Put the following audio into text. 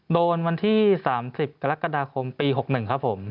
วันที่๓๐กรกฎาคมปี๖๑ครับผม